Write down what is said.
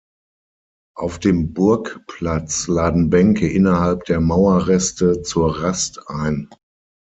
Auf dem Burgplatz laden Bänke innerhalb der Mauerreste zur Rast ein.